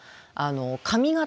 髪形